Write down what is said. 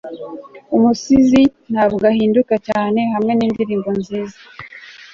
Umusizi ntabwo ahinduka cyane hamwe nindirimbo nziza